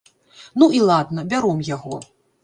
Ну і ладна, бяром яго.